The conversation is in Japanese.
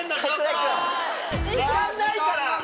時間ないから！